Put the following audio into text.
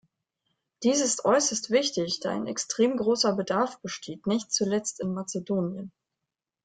Dies ist äußerst wichtig, da ein extrem großer Bedarf besteht, nicht zuletzt in Mazedonien.